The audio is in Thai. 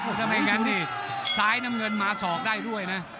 พอทำไมกันดิน้ำเงินมาศอกได้ด้วยนะ